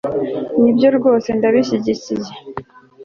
nibyo rwose.ndabishyigikiyye